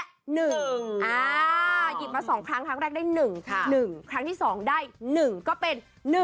หยิบมา๒ครั้งครั้งแรกได้๑๑ครั้งที่๒ได้๑ก็เป็น๑๑